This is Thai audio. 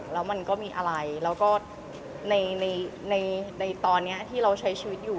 แล้วมันก็มีอะไรแล้วก็ในตอนนี้ที่เราใช้ชีวิตอยู่